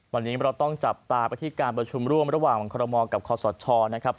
วันนี้เราต้องจับตาไปที่การประชุมร่วมเล็กวางคมและคเรียพศ